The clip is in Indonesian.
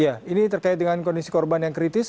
ya ini terkait dengan kondisi korban yang kritis